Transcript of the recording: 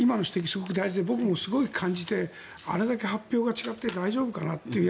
すごく大事で僕もすごい感じてあれだけ発表が違って大丈夫かなという。